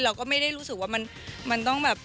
เราก็ไม่ได้รู้สึกว่ามันต้องแบบ